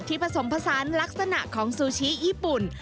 ผสมผสานลักษณะของซูชิญี่ปุ่น